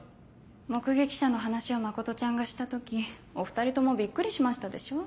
目撃者の話を真ちゃんがした時お２人ともビックリしましたでしょう？